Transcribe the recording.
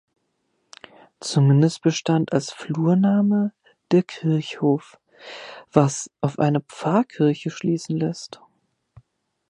Zumindest bestand als Flurname der "Kirchhof", was auf eine Pfarrkirche schließen lässt.